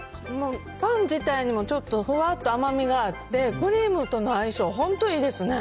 パン自体にもちょっとふわっと甘みがあって、クリームとの相性、本当いいですね。